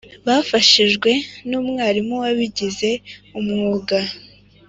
bafashijwe n’umwarimuwabigize umwuga